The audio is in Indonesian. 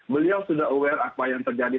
beliau sudah aware apa yang terjadi